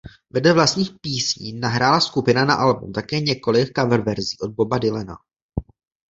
Vedle vlastních písní nahrála skupina na album také několik coververzí od Boba Dylana.